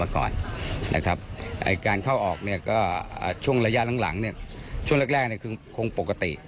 การเข้าออกช่วงระยะหลังช่วงแรกคงปกติ